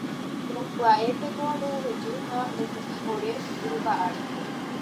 Pya'épeko roguejy ha rojupi ore rymba ári.